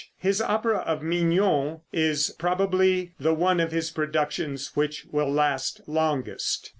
His opera of "Mignon" is probably the one of his productions which will last longest.